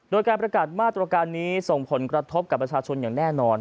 โดยการประกาศมาตรการนี้ส่งผลกระทบกับประชาชนอย่างแน่นอน